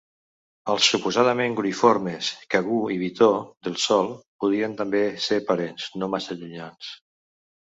Els suposadament gruïformes, kagú i bitó del sol podrien també ser parents no massa llunyans.